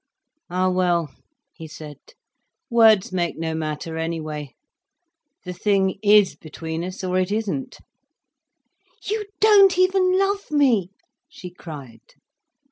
"Ah well," he said, "words make no matter, any way. The thing is between us, or it isn't." "You don't even love me," she cried.